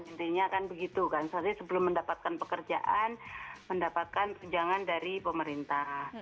intinya kan begitu kan sebelum mendapatkan pekerjaan mendapatkan tunjangan dari pemerintah